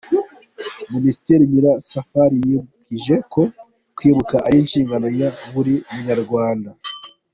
Minisitiri Nyirasafari yibukije ko kwibuka ari inshingano ya buri munyarwanda.